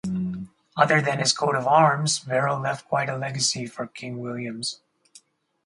Other than his coat of arms, Barrow left quite a legacy for King William's.